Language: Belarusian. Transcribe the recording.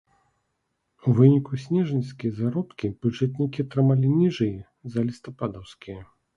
У выніку снежаньскія заробкі бюджэтнікі атрымалі ніжэй за лістападаўскія.